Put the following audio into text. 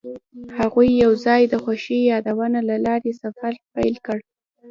هغوی یوځای د خوښ یادونه له لارې سفر پیل کړ.